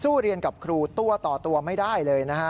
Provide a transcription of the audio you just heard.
เรียนกับครูตัวต่อตัวไม่ได้เลยนะฮะ